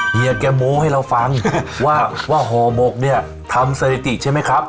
เฮียแกโม้ให้เราฟังว่าว่าห่อหมกเนี่ยทำสถิติใช่ไหมครับ